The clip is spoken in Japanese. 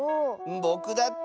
ぼくだって。